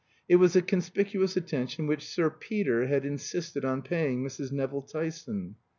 It was the conspicuous attention which Sir Peter had insisted on paying Mrs. Nevill Tyson.